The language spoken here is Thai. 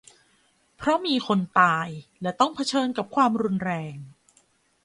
เพราะมีคนตาย และ ต้องเผชิญกับความรุนแรง